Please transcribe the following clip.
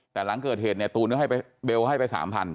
แต่หลังเกิดเหตุเนี่ยตูนก็ให้เบลให้ไป๓๐๐